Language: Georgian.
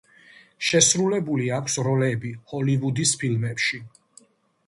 შესრულებული აქვს როლები ჰოლივუდის ფილმებში.